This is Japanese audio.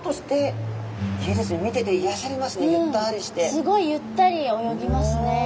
すごいゆったり泳ぎますね。